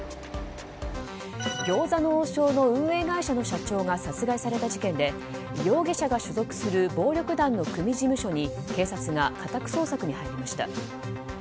餃子の王将の運営会社の社長が殺害された事件で容疑者が所属する暴力団の組事務所に警察が家宅捜索に入りました。